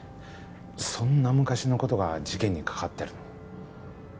そんな昔のことが事件に関わってるの？